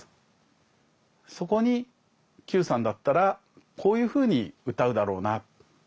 そこに九さんだったらこういうふうに歌うだろうな。